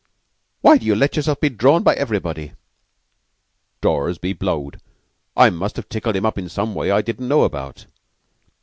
Why do you let yourself be drawn by everybody?" "Draws be blowed! I must have tickled him up in some way I didn't know about.